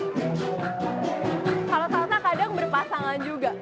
kalau tau kadang berpasangan juga